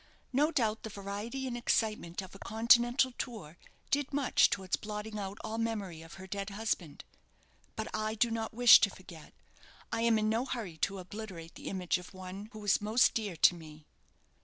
"No doubt the variety and excitement of a Continental tour did much towards blotting out all memory of her dead husband. But I do not wish to forget. I am in no hurry to obliterate the image of one who was most dear to me."